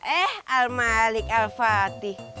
eh al malik al fatih